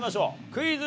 クイズ。